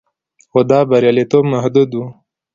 خو دا بریالیتوب محدود و